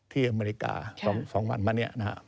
ที่อเมริกา๒วันมานี้